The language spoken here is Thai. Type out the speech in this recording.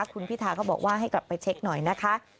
คุณพิธาก็บอกว่าให้กลับไปเช็คหน่อยนะคะ